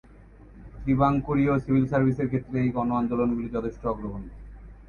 ত্রিবাঙ্কুরীয় civil সার্ভিসের ক্ষেত্রে এই গণ আন্দোলন গুলি যথেষ্ট অগ্রগণ্য।